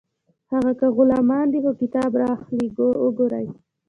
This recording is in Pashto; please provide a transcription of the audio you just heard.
هغه که غلامان دي خو کتاب راواخلئ وګورئ